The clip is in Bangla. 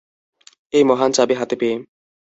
এই মহান চাবি হাতে পেয়ে।